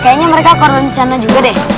kayaknya mereka akan rencana juga deh